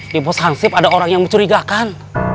di bos hansip ada orang yang mencurigakan